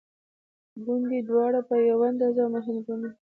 ګوندې دواړه په یوه اندازه مهمه ګڼو.